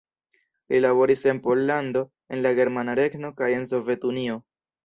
Li laboris en Pollando, en la Germana Regno kaj en Sovetunio.